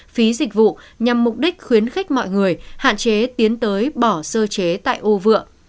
phí dịch vụ nhằm mục đích khuyến khích mọi người hạn chế tiến tới bỏ sơ chế tại ô vựa